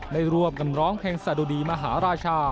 ได้ร่วมกันร้องเพลงสะดุดีมหาราชา